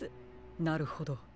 なるほど。